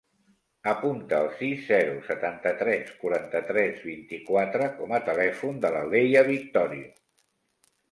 Apunta el sis, zero, setanta-tres, quaranta-tres, vint-i-quatre com a telèfon de la Leia Victorio.